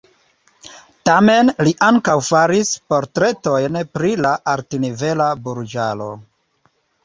Tamen, li ankaŭ faris portretojn pri la altnivela burĝaro.